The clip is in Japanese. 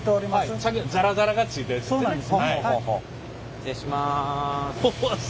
失礼します。